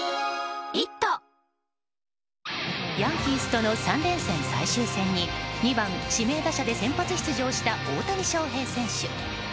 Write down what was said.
ヤンキースとの３連戦最終戦に２番指名打者で先発出場した大谷翔平選手。